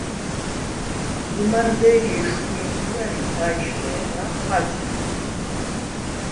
ლჷმარდე̄ლი ეშხუ მეთხვიარ ი ხა̄ჲშხე̄ნა ხაჯი.